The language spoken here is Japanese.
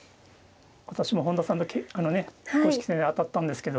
私も本田さんとあのね公式戦で当たったんですけど